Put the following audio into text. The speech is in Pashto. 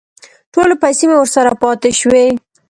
ټولې پیسې مې ورسره پاتې شوې.